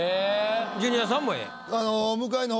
ジュニアさんもＡ。